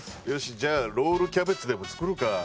「よしじゃあロールキャベツでも作るか」